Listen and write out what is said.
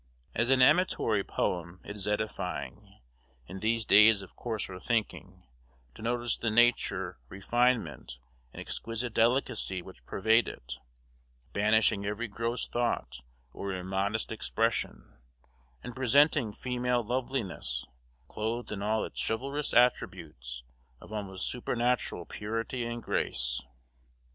As an amatory poem, it is edifying, in these days of coarser thinking, to notice the nature, refinement, and exquisite delicacy which pervade it; banishing every gross thought, or immodest expression, and presenting female loveliness, clothed in all its chivalrous attributes of almost supernatural purity and grace.